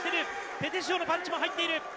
ペテシオのパンチも入っている。